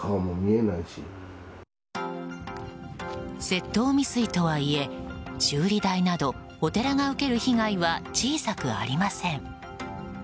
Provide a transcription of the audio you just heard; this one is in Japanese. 窃盗未遂とはいえ、修理代などお寺が受ける被害は小さくありません。